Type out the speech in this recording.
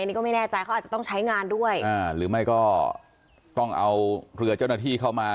นี่ก็ไม่แน่ใจเขาอาจจะต้องใช้งานด้วยอ่าหรือไม่ก็ต้องเอาเรือเจ้าหน้าที่เข้ามา